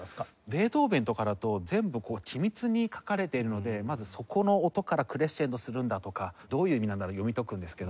ベートーヴェンとかだと全部緻密に書かれているのでまずそこの音からクレッシェンドするんだとかどういう意味なんだろうと読み解くんですけど。